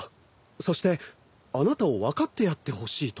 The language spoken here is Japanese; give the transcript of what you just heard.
そしてあなたを分かってやってほしいと。